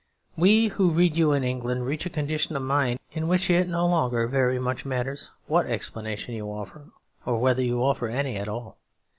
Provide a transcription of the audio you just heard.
We who read you in England reach a condition of mind in which it no longer very much matters what explanation you offer, or whether you offer any at all.